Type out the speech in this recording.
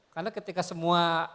karena ketika semua